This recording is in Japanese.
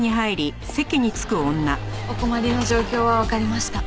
お困りの状況はわかりました。